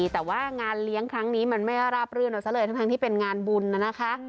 แต่ว่างานเลี้ยงครั้งนี้มันไม่ราบรื่นเอาซะเลยทั้งที่เป็นงานบุญนะคะ